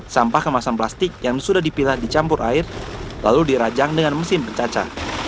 sampah kemasan plastik yang sudah dipilah dicampur air lalu dirajang dengan mesin pencaca